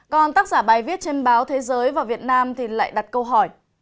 còn tác giả bài viết trên báo thế giới và việt nam thì lại đặt câu hỏi